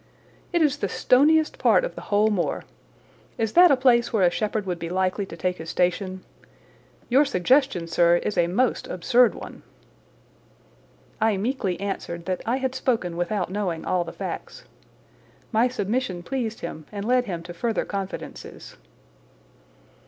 It is the stoniest part of the whole moor. Is that a place where a shepherd would be likely to take his station? Your suggestion, sir, is a most absurd one." I meekly answered that I had spoken without knowing all the facts. My submission pleased him and led him to further confidences.